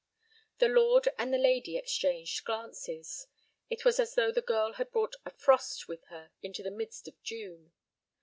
The lord and the lady exchanged glances. It was as though the girl had brought a frost with her into the midst of June.